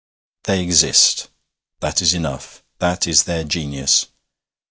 They exist: that is enough; that is their genius.